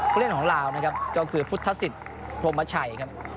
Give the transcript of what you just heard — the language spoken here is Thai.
ผู้เล่นของราวก็คือพุทธสิทธ์พรหมะชัย